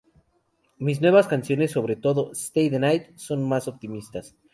Mis nuevas canciones, sobre todo "Stay the Night", son más optimistas.